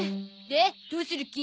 でどうする気？